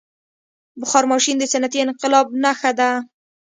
• بخار ماشین د صنعتي انقلاب نښه ده.